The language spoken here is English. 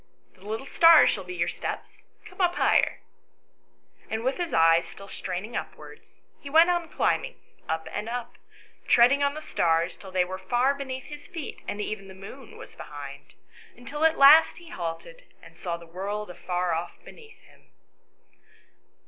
" The little stars shall be your steps ; come up higher." And with his eyes still straining upwards, he went on climbing, up and up, treading on the stars till they were far beneath his feet and even the moon was behind, until at last he halted and saw the world afar off beneath him.